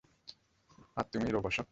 আর তুমি, রোবোশো?